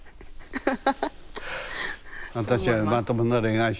ハハハハ！